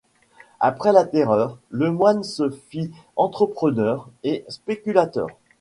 Après la Terreur, Lemoine se fit entrepreneur et spéculateur.